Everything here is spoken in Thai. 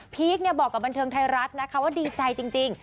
พีคบอกว่าบันเทิงไทรรัสว่าดีใจจริง